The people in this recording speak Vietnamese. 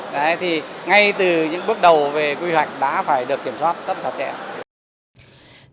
đấy thì ngay từ những bước đầu về quy hoạch đã phải được kiểm soát rất sạch sẽ